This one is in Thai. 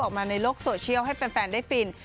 ออกมาในโลกโซเชียลให้แฟนได้ฟิน